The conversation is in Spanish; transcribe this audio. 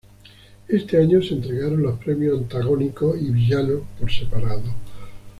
Este año se entregaron los premios Antagónicos y Villanos por separado.